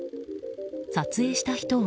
撮影した人は。